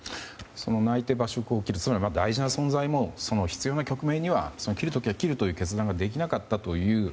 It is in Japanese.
泣いて馬謖を斬るつまり大事な存在も必要な局面に切る時は切るという決断ができなかったという。